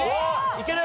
いける？